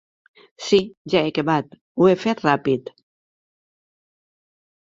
Sí, ja he acabat; ho he fet ràpid.